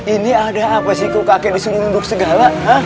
ini ada apa sih kukakek diselundup segala